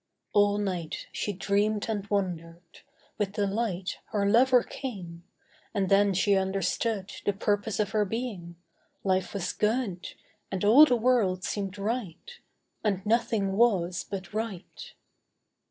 All night she dreamed and wondered. With the light Her lover came—and then she understood The purpose of her being. Life was good And all the world seemed right— And nothing was, but right.